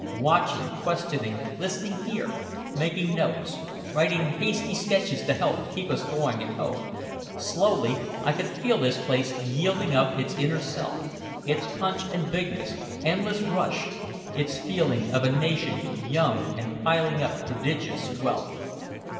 Watching, questioning, listening here, making notes, writing hasty sketches to help keep us going at home slowly I could feel this place yielding up its inner self, its punch and bigness, endless rush, its feeling of a nation young and piling up prodigious wealth.